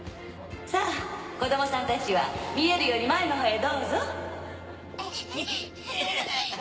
さぁ子供さんたちは見えるように前のほうへどうぞ。